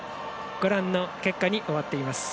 ご覧の結果になっています。